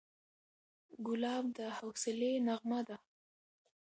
ګلاب د حوصلې نغمه ده.